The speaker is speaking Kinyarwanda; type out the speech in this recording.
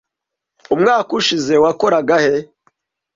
Umwaka ushize wakoraga he?